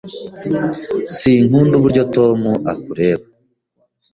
Sinkunda uburyo Tom akureba.